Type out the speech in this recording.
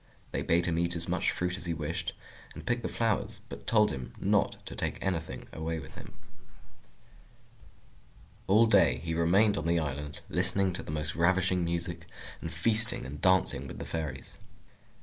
They bade him eat as much fruit as he wished, and pick the flowers, but told him not to take anything away with him. All day he remained on the island, listening to the most ravishing music, and feasting and dancing with the Fairies.